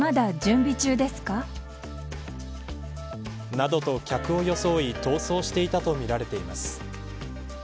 などと、客を装い逃走していたとみられています。